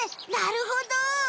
なるほど。